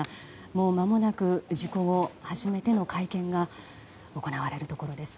もう間もなく事故後初めての会見が行われるところです。